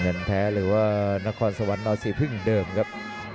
เงินแท้หรือว่านครสวรรค์นอสีพึ่งเหมือนเดิมครับ